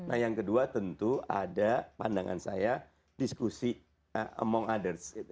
nah yang kedua tentu ada pandangan saya diskusi among others